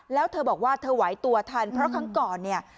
แล้วเธอบอกว่าเธอไหวตัวทันเพราะครั้งก่อนเนี่ย